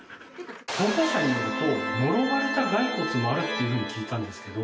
投稿者によると呪われたガイコツもあるっていうふうに聞いたんですけど。